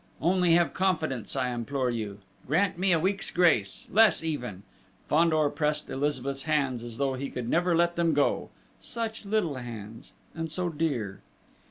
Only have confidence, I implore you! Grant me a week's grace, less even!" Fandor pressed Elizabeth's hands as though he could never let them go! Such little hands, and so dear!